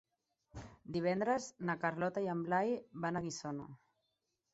Divendres na Carlota i en Blai van a Guissona.